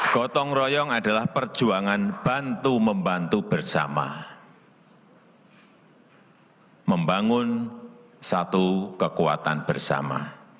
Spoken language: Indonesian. gotong royong adalah perjuangan bantu membantu bersama membangun satu kekuatan bersama